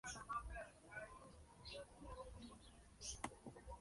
Cuatro cráteres se encuentran en la cumbre.